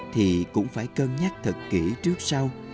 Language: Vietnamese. thì cũng phải cân nhắc thật kỹ trước sau